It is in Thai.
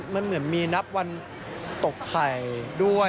มันเหมือนมีนับวันตกไข่ด้วย